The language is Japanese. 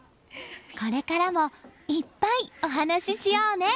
これからもいっぱいお話ししようね。